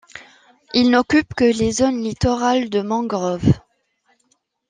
Il n'occupe que les zones littorales de mangroves.